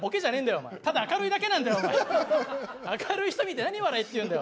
明るい人見て何笑えっていうんだよ。